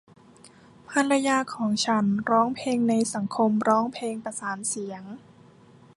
ภรรยาของฉันร้องเพลงในสังคมร้องเพลงประสานเสียง